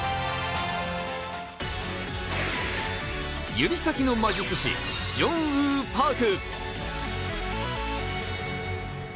指先の魔術師ジョンウー・パーク。